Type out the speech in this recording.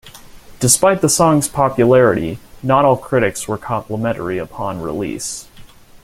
Despite the song's popularity, not all critics were complimentary upon release.